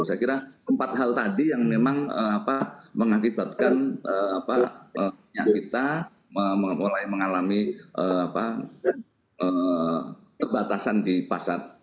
saya kira empat hal tadi yang memang mengakibatkan kita mulai mengalami pembatasan di pasar